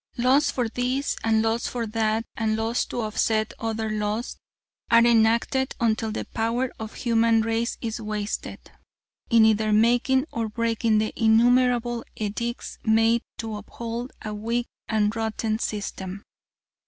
Laws for this and laws for that, and laws to offset other laws are enacted until the power of the human race is wasted, in either making or breaking the innumerable edicts made to uphold a weak and rotten system.